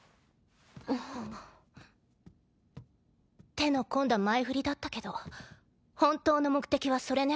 手の込んだ前振りだったけど本当の目的はそれね。